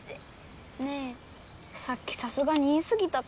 ねえさっきさすがに言いすぎたかな。